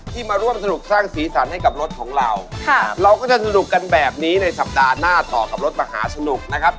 มาร่วมสนุกสร้างสีสันให้กับรถของเราเราก็จะสนุกกันแบบนี้ในสัปดาห์หน้าต่อกับรถมหาสนุกนะครับ